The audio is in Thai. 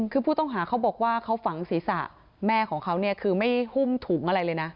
คือผู้ต้องหาเขาบอกว่าเขาฝังศีรษะแม่ของเขาเนี่ยคือไม่หุ้มถุงอะไรเลยนะ